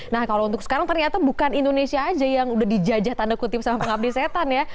nah kalau untuk sekarang ternyata bukan indonesia aja yang udah dijajah tanda kutip sama pengabdi setan ya